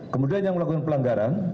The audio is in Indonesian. kemudian yang melakukan pelanggaran